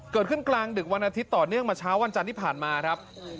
เกิดขึ้นกลางดึกวันอาทิตย์ต่อเนื่องมาเช้าวันจันทร์ที่ผ่านมา